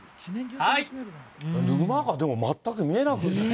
沼がでも、全く見えない。